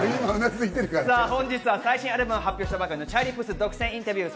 本日は最新アルバム発表したばかりのチャーリー・プース独占インタビュー。